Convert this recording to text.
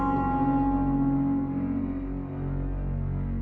kamu mau minum obat